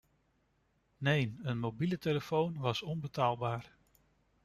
Neen, een mobiele telefoon was onbetaalbaar.